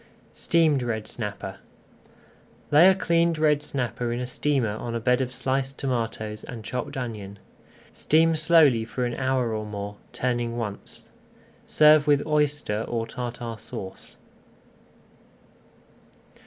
STEAMED RED SNAPPER Lay a cleaned red snapper in a steamer on a bed of sliced tomatoes and chopped onion. Steam slowly for an hour or more, turning once. Serve with Oyster or Tartar Sauce.